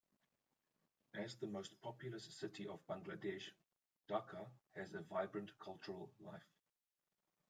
As the most populous city of Bangladesh, Dhaka has a vibrant cultural life.